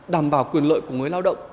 đảm bảo quyền lợi của người lao động